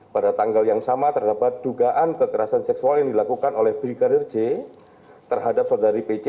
pada tanggal yang sama terdapat dugaan kekerasan seksual yang dilakukan oleh brigadir j terhadap saudari pc